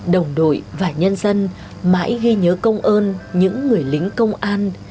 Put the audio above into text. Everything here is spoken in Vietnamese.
đồng đội và nhân dân mãi ghi nhớ công ơn những người lính công an